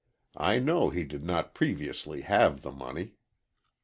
I know he did not previously have the money.